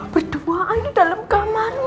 berdua aja dalam kamar